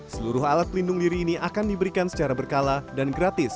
seluruh alat pelindung diri ini akan diberikan secara berkala dan gratis